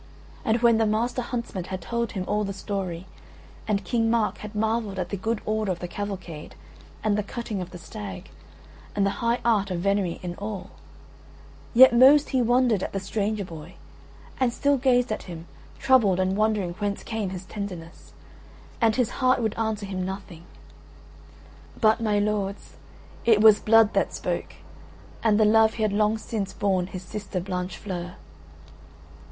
And when the Master Huntsman had told him all the story, and King Mark had marvelled at the good order of the cavalcade, and the cutting of the stag, and the high art of venery in all, yet most he wondered at the stranger boy, and still gazed at him, troubled and wondering whence came his tenderness, and his heart would answer him nothing; but, my lords, it was blood that spoke, and the love he had long since borne his sister Blanchefleur.